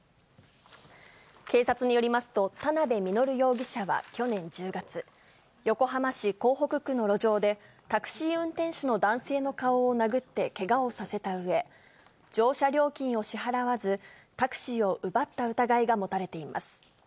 警察によりますと、田辺実容疑者は去年１０月、横浜市港北区の路上で、タクシー運転手の男性の顔を殴ってけがをさせたうえ、乗車料金を支払わず、タクシーを奪った疑いが持たれています。